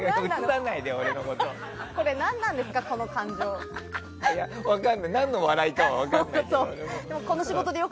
これ何なんですか、この感情。何の笑いかは分からない。